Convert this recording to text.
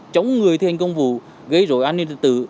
chống người thi hành công vụ gây rối an ninh tật tử